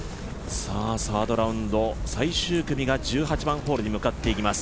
サードラウンド最終組が１８番ホールに向かっていきます。